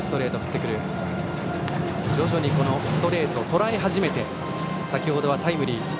徐々にストレートをとらえ始めて先程はタイムリー。